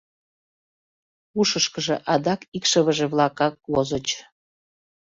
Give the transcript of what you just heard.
Ушышкыжо адак икшывыже-влакак возыч.